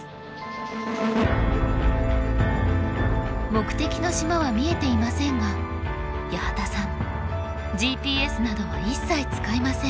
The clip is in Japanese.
目的の島は見えていませんが八幡さんＧＰＳなどは一切使いません。